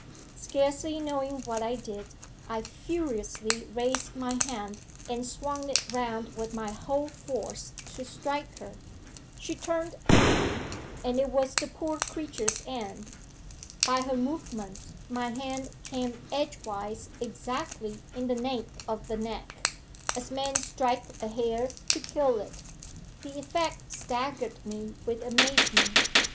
Scarcely knowing what I did, I furiously raised my hand and swung it round with my whole force to strike her. She turned quickly and it was the poor creature's end. By her movement my hand came edgewise exactly in the nape of the neck as men strike a hare to kill it. The effect staggered me with amazement.